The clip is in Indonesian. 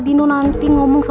kamu harus semangat